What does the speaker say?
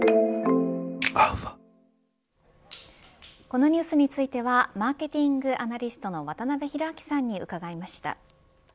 このニュースについてはマーケティングアナリストの渡辺広明さんに伺いました。